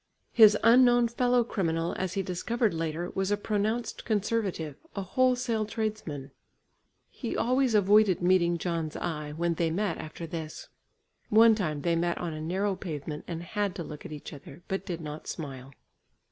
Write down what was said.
His unknown fellow criminal, as he discovered later, was a pronounced conservative, a wholesale tradesman. He always avoided meeting John's eye, when they met after this. One time they met on a narrow pavement, and had to look at each other, but did not smile.